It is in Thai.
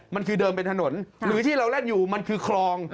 มันคือเดิมเป็นถนนหรือที่เราแล่นอยู่มันคือคลอง